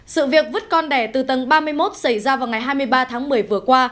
sự việc vứt con đẻ từ tầng ba mươi một xảy ra vào ngày hai mươi ba tháng một mươi vừa qua